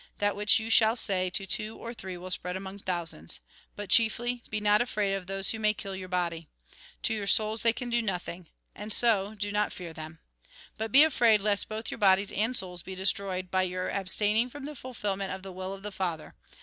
That which you shall say to two or three will spread among thousands. But chiefly, be not afraid of those who may kill your body. To your souls, they can do nothing. And so, do not fear them. But be afraid lest both your bodies and souls be destroyed, by your abstaining from the fulfilment of the will of the Father.